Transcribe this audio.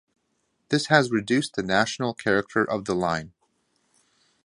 This has reduced the national character of the line.